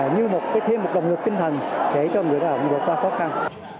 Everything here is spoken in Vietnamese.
như thêm một động lực tinh thần để cho người lao động khó khăn